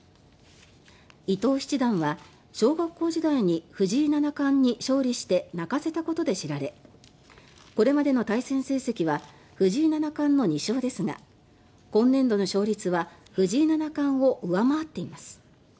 伊藤七段は小学校時代に藤井七冠に勝利して泣かせたことで知られこれまでの対戦成績は藤井七冠の２勝ですが今年度の勝率は藤井七冠を上回っています。